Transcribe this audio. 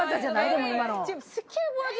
でも今の。